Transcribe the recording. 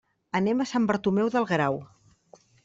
Anem a Sant Bartomeu del Grau.